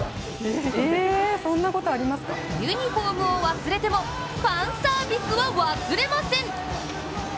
ユニフォームを忘れてもファンサービスは忘れません！